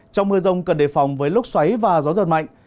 trong mưa rông cần đề phòng với lốc xoáy và gió giật mạnh